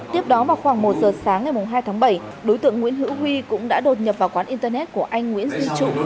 tiếp đó vào khoảng một giờ sáng ngày hai tháng bảy đối tượng nguyễn hữu huy cũng đã đột nhập vào quán internet của anh nguyễn duy trụ